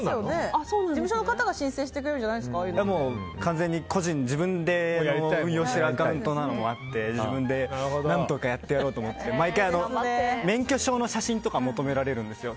事務所の方が申請してくれるものじゃ完全に自分個人で運用しているアカウントなのもあって自分で何とかやってやろうと思って毎回免許証の写真とか求められるんですよ。